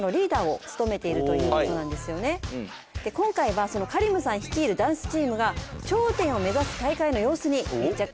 今回はＫａｒｉｍさん率いるダンスチームが頂点を目指す大会の様子に密着しました。